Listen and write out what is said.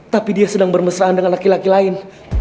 tapi dia sedang bermesraan dengan laki laki lain